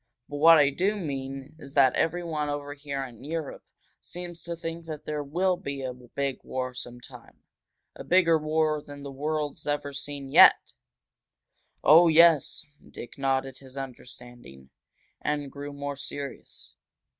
But what I do mean is that every one over here in Europe seems to think that there will be a big war sometime a bigger war than the world's ever seen yet." "Oh, yes!" Dick nodded his understanding, and grew more serious.